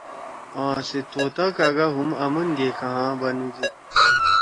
آ سے طوطا کاگا ہُم آمنگے کنگھا بنُودُود۔